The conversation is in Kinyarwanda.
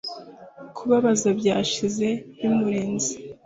kubabaza byashize bimurenze